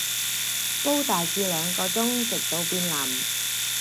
煲大致兩個鐘，直到變腍